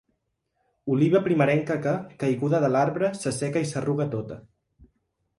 Oliva primerenca que, caiguda de l'arbre, s'asseca i s'arruga tota.